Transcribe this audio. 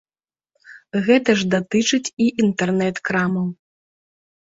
Гэта ж датычыць і інтэрнэт-крамаў.